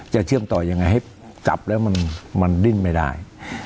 จะกลับแล้วมันดิ้นไม่ได้